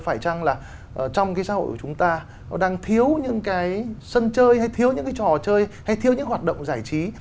phải chăng là trong cái xã hội của chúng ta nó đang thiếu những cái sân chơi hay thiếu những cái trò chơi hay thiếu những hoạt động giải trí